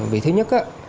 vì thứ nhất á